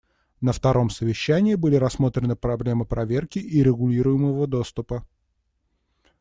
На втором совещании были рассмотрены проблемы проверки и регулируемого доступа.